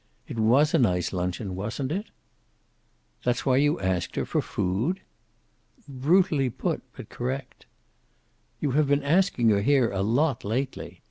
It was a nice luncheon, wasn't it?" "That's why you asked her? For food?" "Brutally put, but correct." "You have been asking her here a lot lately.